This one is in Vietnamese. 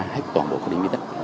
hết toàn bộ khu điểm di tích